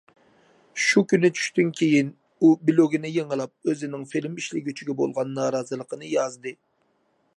شۇ كۈنى چۈشتىن كېيىن، ئۇ بىلوگنى يېڭىلاپ ئۆزىنىڭ فىلىم ئىشلىگۈچىگە بولغان نارازىلىقىنى يازدى.